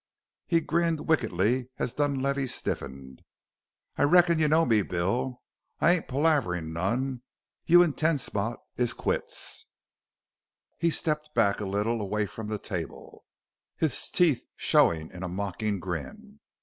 He grinned wickedly as Dunlavey stiffened. "I reckon you know me, Bill. I ain't palaverin' none. You an' Ten Spot is quits!" He stepped back a little, away from the table, his teeth showing in a mocking grin.